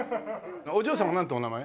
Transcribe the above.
お嬢様なんてお名前？